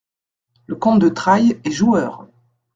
Le comte de Trailles est joueur.